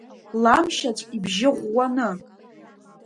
Ламшьаҵә ибжьы ӷәӷәаны.